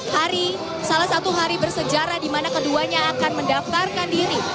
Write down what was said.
hari salah satu hari bersejarah di mana keduanya akan mendaftarkan diri